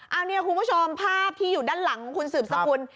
เอาเนี่ยคุณผู้ชมภาพที่อยู่ด้านหลังของคุณสืบสกุล